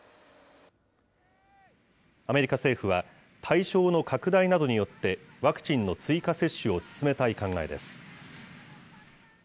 アメリカ政府は、対象の拡大などによって、ワクチンの追加接種を進めたい考えです。